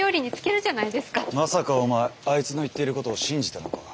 まさかお前あいつの言っていることを信じたのか？